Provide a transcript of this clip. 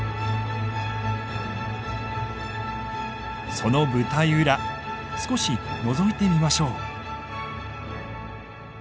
その舞台裏少しのぞいてみましょう。